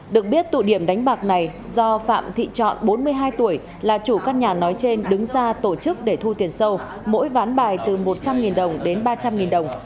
được biết tụ điểm đánh bạc này do phạm thị trọn bốn mươi hai tuổi là chủ căn nhà nói trên đứng ra tổ chức để thu tiền sâu mỗi ván bài từ một trăm linh đồng đến ba trăm linh đồng